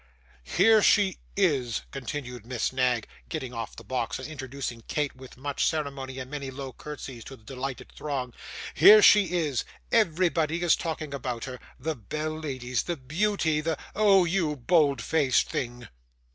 'Here she is,' continued Miss Knag, getting off the box, and introducing Kate with much ceremony and many low curtseys to the delighted throng; 'here she is everybody is talking about her the belle, ladies the beauty, the oh, you bold faced thing!